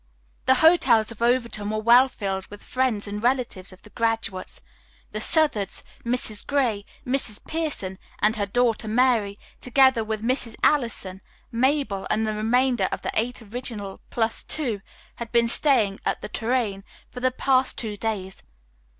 The hotels of Overton were well filled with friends and relatives of the graduates. The Southards, Mrs. Gray, Mrs. Pierson and her daughter Mary, together with Mrs. Allison, Mabel and the remainder of the Eight Originals Plus Two had been staying at the "Tourraine" for the past two days.